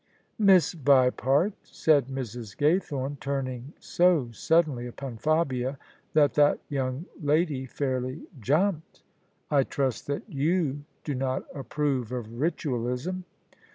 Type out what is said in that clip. " Miss Vipart," said Mrs. Gaythorne, turning so sud denly upon Fabia that that yoimg lady fairly jumped: " I trust that you do not approve of Ritualism."